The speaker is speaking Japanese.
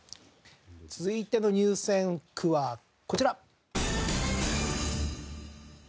続いての入選句はこちら。